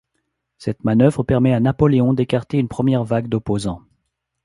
Cette manœuvre permet à Napoléon d'écarter une première vague d'opposants.